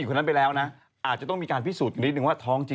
นับหรือนับท้อง